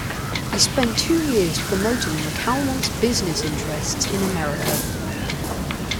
He later spent two years promoting McCalmont's business interests in America.